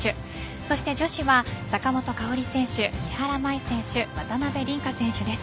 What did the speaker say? そして女子は坂本花織選手三原舞依選手渡辺倫果選手です。